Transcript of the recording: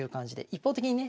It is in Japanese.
一方的にね